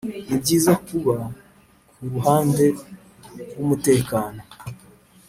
nibyiza kuba kuruhande rwumutekano